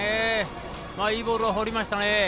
いいボールを放りましたね。